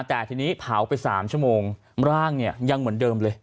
แต่ทีนี้เผาไป๓ชั่วโมงร่างเนี่ยยังเหมือนเดิมเลย